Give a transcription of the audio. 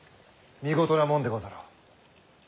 見事なもんでござろう。